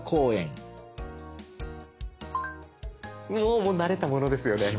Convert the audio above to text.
おもう慣れたものですよね。